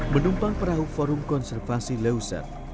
menumpang perahu forum konservasi leuser